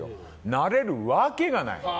なれるわけがない！